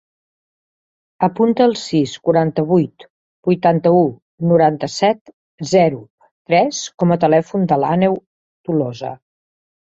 Apunta el sis, quaranta-vuit, vuitanta-u, noranta-set, zero, tres com a telèfon de l'Àneu Tolosa.